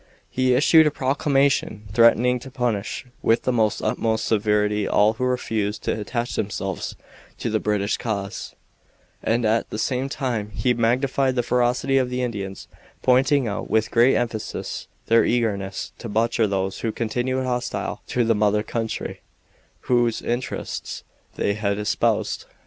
He issued a proclamation threatening to punish with the utmost severity all who refused to attach themselves to the British cause, and at the same time he magnified the ferocity of the Indians; pointing out with great emphasis their eagerness to butcher those who continued hostile to the mother country, whose interests they had espoused.